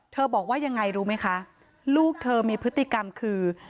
บอกว่ายังไงรู้ไหมคะลูกเธอมีพฤติกรรมคือ